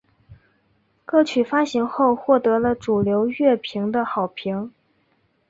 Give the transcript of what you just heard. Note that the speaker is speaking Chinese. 歌曲发行后获得了主流乐评的好评。